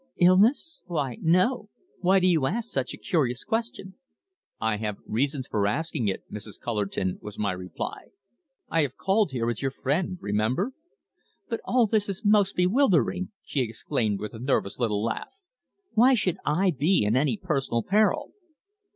"Illness? Why, no! Why do you ask such a curious question?" "I have reasons for asking it, Mrs. Cullerton," was my reply. "I have called here as your friend, remember." "But all this is most bewildering," she exclaimed with a nervous little laugh. "Why should I be in any personal peril?"